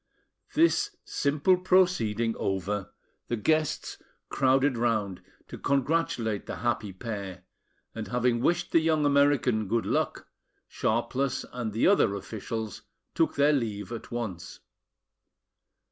This simple proceeding over, the guests crowded round to congratulate the happy pair, and having wished the young American good luck, Sharpless and the other officials took their leave at once.